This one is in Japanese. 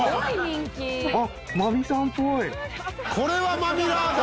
これはまみらーだ！